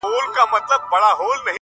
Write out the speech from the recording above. o وځم له كوره له اولاده شپې نه كوم؛